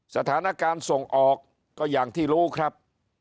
สถานการณ์ส่งออกก็อย่างที่รู้ครับ